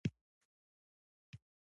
موږ باید شاته پاتې نشو